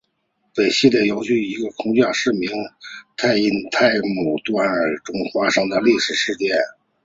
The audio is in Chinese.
本系列游戏于一个架空世界名叫奈恩的泰姆瑞尔帝国中所发生的历史事件。